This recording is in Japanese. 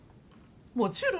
もちろん。